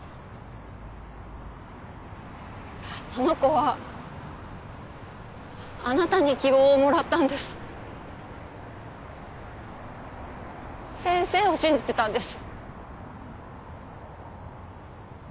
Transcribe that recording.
あの子はあなたに希望をもらったんです先生を信じてたんです